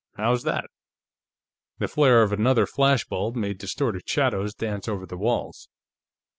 How's that?" The flare of another flash bulb made distorted shadows dance over the walls.